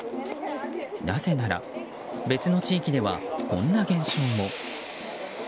なぜなら、別の地域ではこんな現象も。